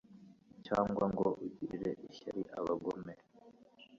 cyangwa ngo ugirire ishyari abagome